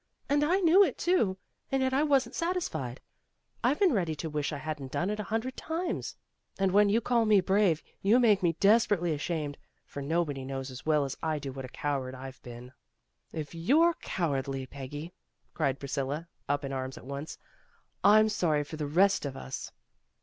And I knew it, too, and yet I wasn't satisfied. I've been ready to wish I hadn't done it a hundred times. And when you call me brave, you make me desperately ashamed, for nobody knows as well as I do what a coward I 've been. '' "If you're cowardly, Peggy," cried Priscilla, up in arms at once, "I'm sorry for the rest of us."